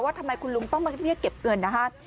ว่าทำไมคุณลุงต้องมาช่วยเก็บเงินนะฮะ